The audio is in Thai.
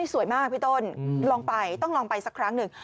สวยมากพี่ต้นลองไปต้องลองไปสักครั้งหนึ่ง